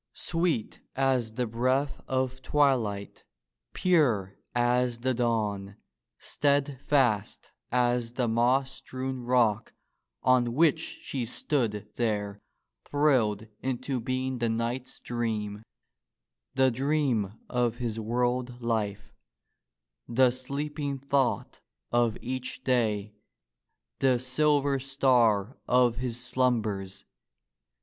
Sweet as the breath of twilight, pure as the dawn, steadfast as the moss strewn rock on which she stood there thrilled into being the knight's dream, the dream of his world life, the sleeping thought of each day, the silver star of his slumbers.